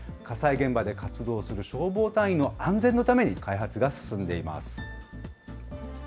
火災現場で活動する消防隊員の安全のために開発が進んでいます。